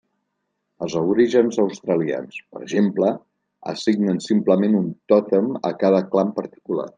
Els aborígens australians, per exemple, assignen simplement un tòtem a cada clan particular.